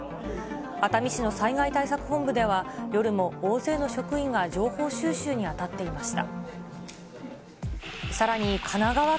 熱海市の災害対策本部では、夜も大勢の職員が情報収集に当たっていました。